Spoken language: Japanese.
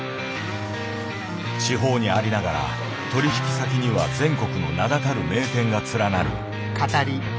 地方にありながら取引先には全国の名だたる名店が連なる。